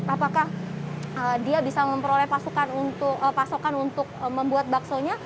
apakah dia bisa memperoleh pasokan untuk membuat baksonya